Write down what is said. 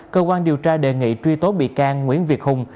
cơ quan điều tra đề nghị truy tố bị can nguyễn việt hùng